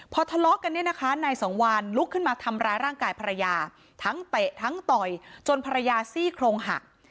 พอทะเลาะกันเนี่ยนะคะนายสังวานลุกขึ้นมาทำร้ายร่างกายภรรยาทั้งเตะทั้งต่อยจนภรรยาซี่โครงหัก